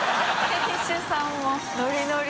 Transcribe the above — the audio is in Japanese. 店主さんもノリノリ。